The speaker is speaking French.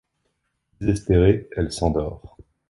Désespérée, elle s'endort.